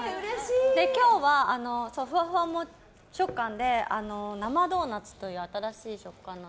今日はふわもち食感で生ドーナツという新しい食感の。